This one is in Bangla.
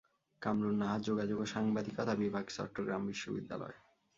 কামরুন নাহারযোগাযোগ ও সাংবাদিকতা বিভাগচট্টগ্রাম বিশ্ববিদ্যালয়।